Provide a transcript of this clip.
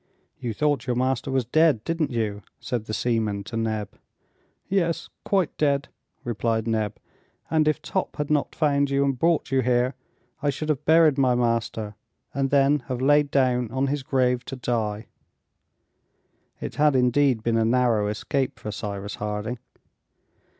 "You thought your master was dead, didn't you?" said the seaman to Neb. "Yes! quite dead!" replied Neb, "and if Top had not found you, and brought you here, I should have buried my master, and then have lain down on his grave to die!" It had indeed been a narrow escape for Cyrus Harding!